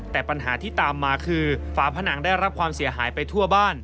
แต่ปัญหาที่ตามมาคือฝาผนังได้รับความเสียหายไปทั่วบ้าน